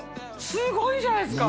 すごいじゃないですか！